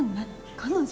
彼女？